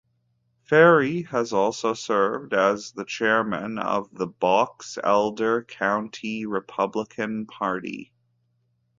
Ferry has also served as the chairman of the Box Elder County Republican Party.